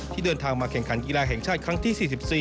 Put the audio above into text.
เดินทางมาแข่งขันกีฬาแห่งชาติครั้งที่๔๔